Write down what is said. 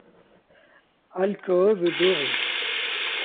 Alcôve doré.